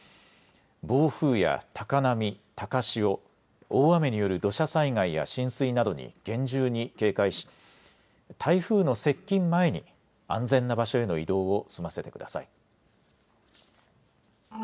暴風や高波、高潮、大雨による土砂災害や浸水などに厳重に警戒し台風の接近前に安全な場所への移動を済ませてください。